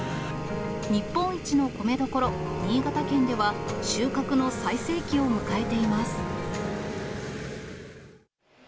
日本一の米どころ、新潟県では、収穫の最盛期を迎えています。